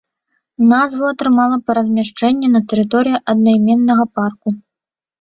Назву атрымала па размяшчэнні на тэрыторыі аднайменнага парку.